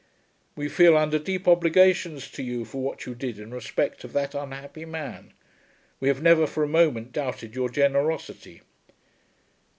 We feel under deep obligations to you for what you did in respect of that unhappy man. We have never for a moment doubted your generosity.